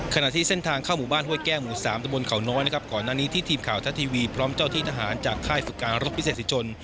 ขณะที่เส้นทางเข้าหมู่บ้านห้วยแก้วหมู่สามตะบนเขาน้อยนะครับก่อนหน้านี้ที่ทีมข่าวทะทีวีพร้อมเจ้าที่ทหารจากค่ายฝึกการรบพิเศษศิษชน